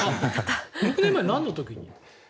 ６年前、なんの時に？